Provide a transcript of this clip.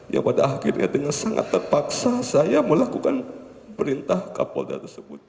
yang pada akhirnya dengan sangat terpaksa saya melakukan perintah kapolda tersebut